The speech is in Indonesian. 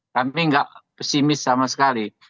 kami nggak pesimis sama sekali